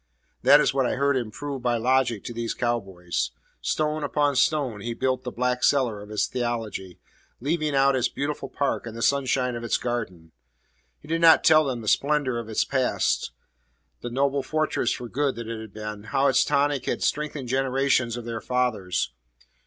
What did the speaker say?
That is what I heard him prove by logic to these cow boys. Stone upon stone he built the black cellar of his theology, leaving out its beautiful park and the sunshine of its garden. He did not tell them the splendor of its past, the noble fortress for good that it had been, how its tonic had strengthened generations of their fathers.